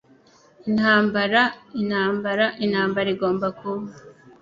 Intambara, intambara, intambara igomba kuba